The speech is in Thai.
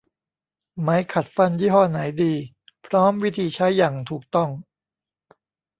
ไหมขัดฟันยี่ห้อไหนดี พร้อมวิธีใช้อย่างถูกต้อง